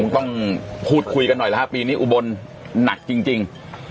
ผมต้องพูดคุยกันหน่อยนะครับปีนี้อุบลหนักจริงจริง